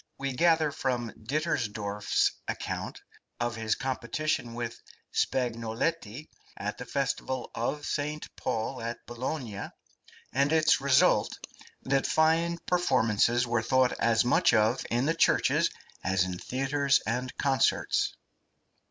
We gather from Dittersdorf's account of his competition with Spagnoletti at the festival of St. Paul at Bologna and its result, that fine performances were thought as much of in the churches as in theatres and concerts.